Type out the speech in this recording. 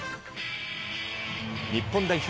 日本代表